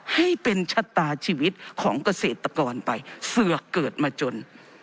ให้เป็นชะตาชีวิตของเกษตรกรไปเสือกเกิดมาจน